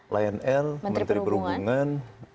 lion air menteri perhubungan